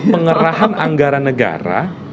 pengerahan anggaran negara